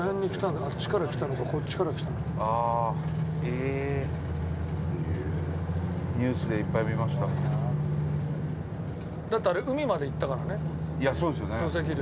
長嶋：だって、あれ海までいったからね、土石流。